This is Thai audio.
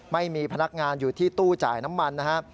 ไม่มีพนักงานอยู่ที่ตู้จ่ายน้ำมันนะครับ